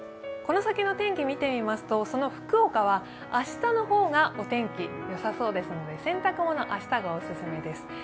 この先の天気を見てみますとその福岡は明日の方がお天気、よさそうですので、洗濯物、明日がお勧めです。